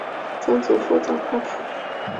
曾祖父张宽甫。